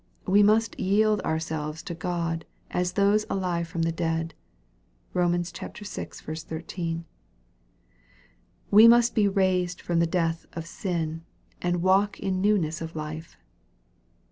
We must yield ourselves to God as those alive from the dead. (Bom. vi. 13.) We must be raised from the death of sin, and walk in newness of life.